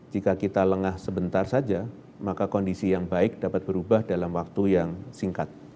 jika kita lengah sebentar saja maka kondisi yang baik dapat berubah dalam waktu yang singkat